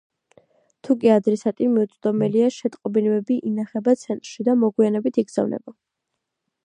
თუკი ადრესატი მიუწვდომელია, შეტყობინებები ინახება ცენტრში და მოგვიანებით იგზავნება.